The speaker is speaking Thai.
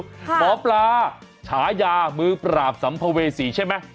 หมอปลาฉายามือปราบสัมภเวษีใช่ไหม